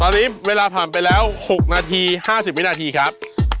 ตอนนี้เวลาผ่านไปแล้ว๖นาที๕๐วินาทีครับ